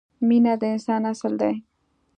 مینه د انسان اصل دی.